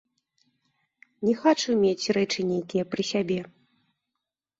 Не хачу мець рэчы нейкія пры сябе.